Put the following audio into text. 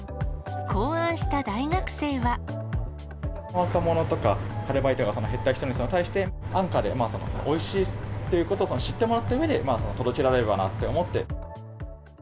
若者とか、アルバイトが減った人に対して、安価でおいしいということを知ってもらったうえで、届けられればなと思って。